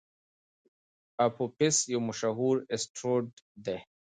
اپوفیس یو مشهور اسټروېډ دی.